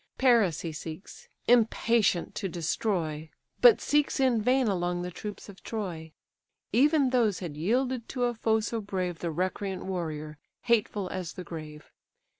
Paris he seeks, impatient to destroy, But seeks in vain along the troops of Troy; Even those had yielded to a foe so brave The recreant warrior, hateful as the grave.